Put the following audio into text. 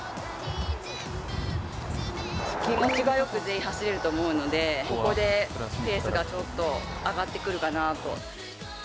気持ちがよく走れると思うので、ここでペースが上がってくるかなと。